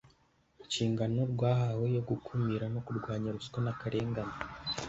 inshingano rwahawe yo gukumira no kurwanya ruswa n’akarengane